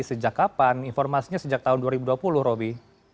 sejak kapan informasinya sejak tahun dua ribu dua puluh roby